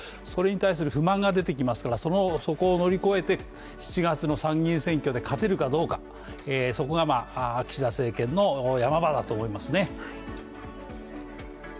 それに対する不満が出てきますからそこを乗り越えて７月の参議院選挙で勝てるかどうか、そこが岸田政権の山場だと思いますね。